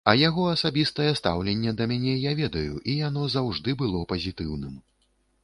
А яго асабістае стаўленне да мяне я ведаю і яно заўжды было пазітыўным.